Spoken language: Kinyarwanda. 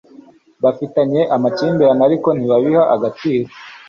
bafitanye amakimbirane ariko ntibabihe agaciro